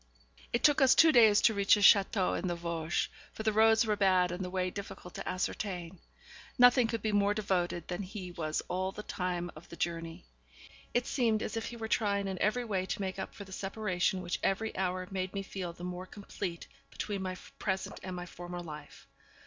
It took us two days to reach his château in the Vosges, for the roads were bad and the way difficult to ascertain. Nothing could be more devoted than he was all the time of the journey. It seemed as if he were trying in every way to make up for the separation which every hour made me feel the more complete between my present and my former life.